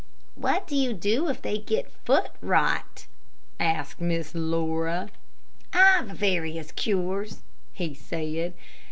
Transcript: "What do you do if they get foot rot?" asked Miss Laura. "I've various cures," he said.